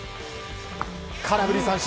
空振り三振。